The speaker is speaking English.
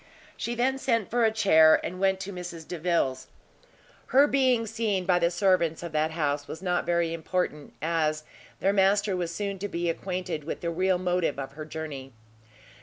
She then sent for a chair, and went to Mrs Delvile's. Her being seen by the servants of that house was not very important, as their master was soon to be acquainted with the real motive of her journey.